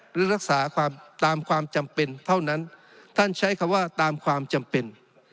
หรือรักษาความตามความจำเป็นเท่านั้นท่านใช้คำว่าตามความจำเป็น